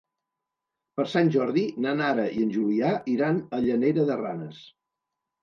Per Sant Jordi na Nara i en Julià iran a Llanera de Ranes.